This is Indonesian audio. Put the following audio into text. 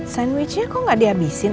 sandwichnya kok gak dihabisin